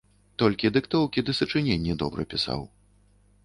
Толькі дыктоўкі ды сачыненні добра пісаў.